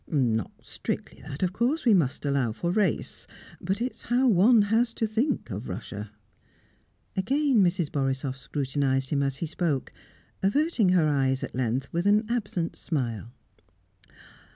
Not strictly that, of course; we must allow for race; but it's how one has to think of Russia." Again Mrs. Borisoff scrutinised him as he spoke, averting her eyes at length with an absent smile.